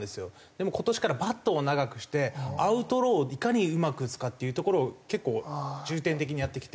でも今年からバットを長くしてアウトローをいかにうまく打つかっていうところを結構重点的にやってきて。